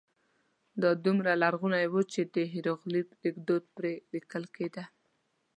دا دومره لرغونی و چې د هېروغلیف لیکدود پرې لیکل کېده.